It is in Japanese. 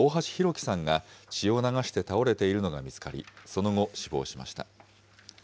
輝さんが血を流して倒れているのが見つかり、その後、死亡しました。